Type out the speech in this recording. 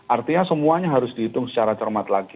artinya semuanya harus dihitung secara cermat lagi